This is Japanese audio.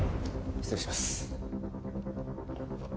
失礼します。